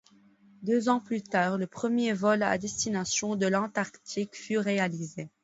Deux ans plus tard, le premier vol à destination de l'Antarctique fut réalisé.